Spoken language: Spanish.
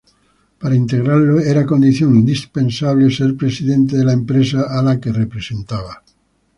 Para integrarlo era condición indispensable ser presidente de la empresa a la que representaba.